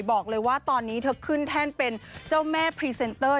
บอกเลยว่าตอนนี้เธอขึ้นแท่นเป็นเจ้าแม่พรีเซนเตอร์